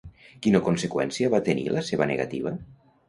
Quina conseqüència va tenir la seva negativa?